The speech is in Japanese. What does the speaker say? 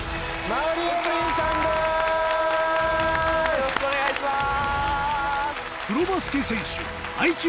よろしくお願いします！